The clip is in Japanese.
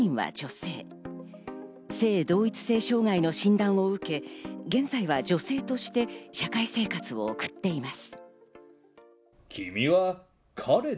性同一性障害の診断を受け、現在は女性として社会生活を送っています。